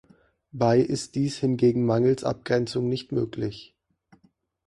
Bei ist dies hingegen mangels Abgrenzung nicht möglich.